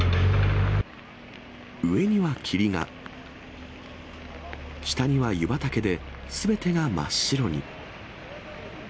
上には霧が、下には湯畑で、すべてが真っ白に。